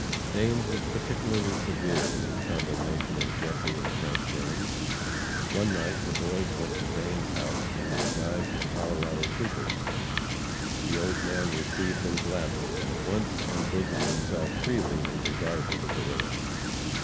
Banes was particularly severe in his condemnation of Jesse and Frank James. One night the boys went to Bane's house under the guise of Colorado troopers. The old man received them gladly, and at once unbosomed himself freely in regard to the Guerrillas.